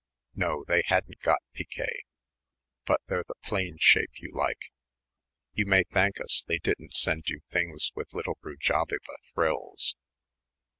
"No, they hadn't got piquet, but they're the plain shape you like. You may thank us they didn't send you things with little rujabiba frills."